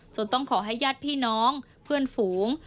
ต้องขอให้ญาติพี่น้องเพื่อนฝูง